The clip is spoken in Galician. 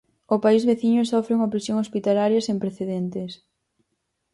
O país veciño sofre unha presión hospitalaria sen precedentes.